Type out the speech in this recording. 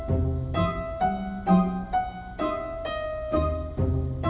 kau akan pergi selama berbulan bulan